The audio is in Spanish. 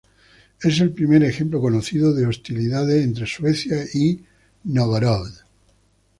Es el primer ejemplo conocido de hostilidades entre Suecia y Nóvgorod.